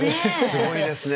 すごいですね。